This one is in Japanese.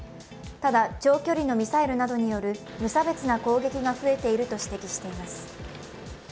ただ長距離のミサイルなどによる無差別な攻撃が増えていると指摘しています。